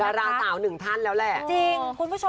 ฎาราวต่าวหนึ่งท่านแล้วล่ะ